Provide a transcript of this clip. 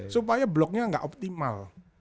supaya bloknya gak optimal